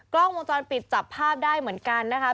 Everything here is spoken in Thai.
กล้องวงจรปิดจับภาพได้เหมือนกันนะคะ